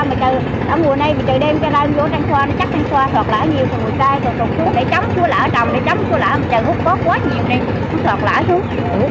mà trời mùa này